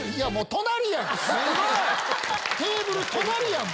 テーブル隣やん！